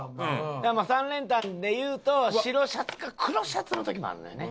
だから三連単でいうと白シャツか黒シャツの時もあるのよね。